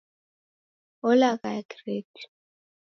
Olaghaya kireti